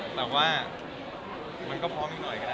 แต่ว่ามันก็พร้อมอีกหน่อยก็ได้